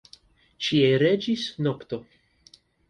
Ĉie regis nokto.